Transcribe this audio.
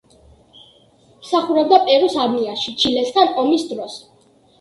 მსახურობდა პერუს არმიაში ჩილესთან ომის დროს.